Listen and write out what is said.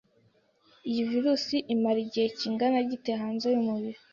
Iyi virus imara igihe kingana gite hanze y'umubiri